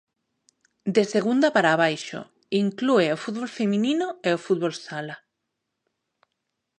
De Segunda para abaixo, inclúe o fútbol feminino e o fútbol sala.